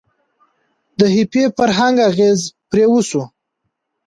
د هیپي فرهنګ اغیز پرې وشو.